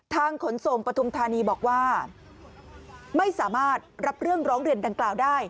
ขนส่งปฐุมธานีบอกว่าไม่สามารถรับเรื่องร้องเรียนดังกล่าวได้